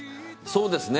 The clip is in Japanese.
そうですね。